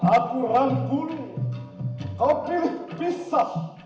aku ranggunu kau pilih kisah